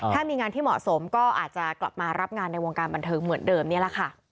ถ้ามีงานที่เหมาะสมก็อาจจะกลับมารับงานในวงการบันเทิงเหมือนเดิมนี่แหละค่ะ